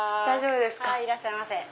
いらっしゃいませ。